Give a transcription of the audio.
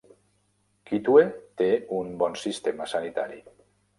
Kitwe té un bon sistema sanitari.